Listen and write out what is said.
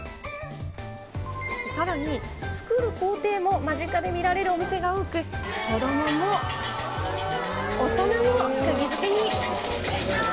さらに、作る工程も間近で見られるお店が多く、子どもも大人もくぎづけに。